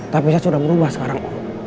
tapi saya sudah berubah sekarang